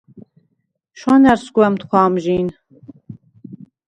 შუ̂ანა̈რს გუ̂ა̈მთქუ̂ა ამჟინ.